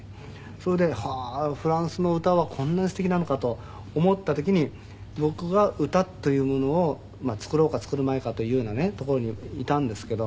それではあーフランスの歌はこんなにすてきなのかと思った時に僕が歌というものを作ろうか作らまいかというようなところにいたんですけど。